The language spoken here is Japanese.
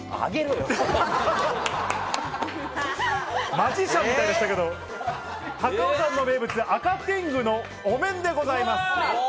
マジシャンみたいでしたけど、高尾山の名物・赤天狗のお面でございます。